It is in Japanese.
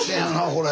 これ。